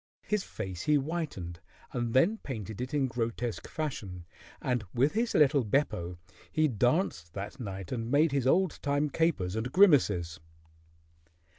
His face he whitened and then painted it in grotesque fashion, and with his little Beppo he danced that night and made his old time capers and grimaces.